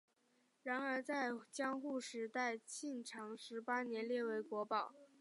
然而在江户时代庆长十八年列为国宝。